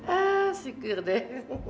ah syukur deh